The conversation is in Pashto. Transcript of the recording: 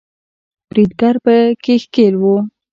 بریدګر په کې ښکیل وو